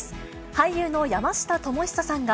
俳優の山下智久さんが。